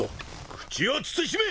口を慎め！